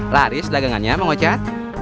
laris dagangannya pak ustadz